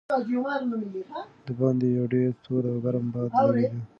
د باندې یو ډېر تود او ګرم باد لګېده.